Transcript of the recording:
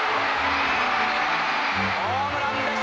ホームランです